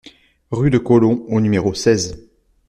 Rue de Colomb au numéro seize